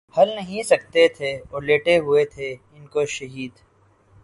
ہل نہیں سکتے تھے اور لیٹے ہوئے تھے انکو شہید